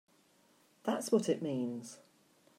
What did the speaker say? That's what it means!